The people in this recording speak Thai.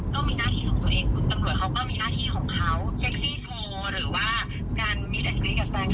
ทำให้ภาพลากค่อนของเชียงใหม่เสียหาย